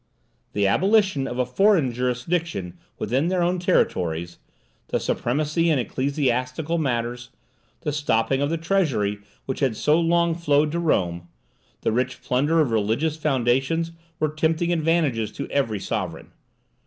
The abolition of a foreign jurisdiction within their own territories, the supremacy in ecclesiastical matters, the stopping of the treasure which had so long flowed to Rome, the rich plunder of religious foundations, were tempting advantages to every sovereign.